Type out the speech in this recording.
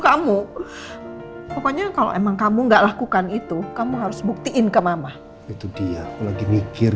kamu pokoknya kalau emang kamu nggak lakukan itu kamu harus buktiin ke mama itu dia lagi mikir